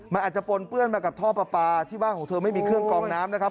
มันอาจจะปนเปื้อนมากับท่อปลาปลาที่บ้านของเธอไม่มีเครื่องกองน้ำนะครับ